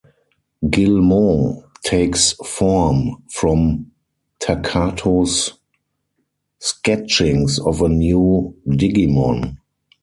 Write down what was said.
Guilmon takes form from Takato's sketchings of a new Digimon.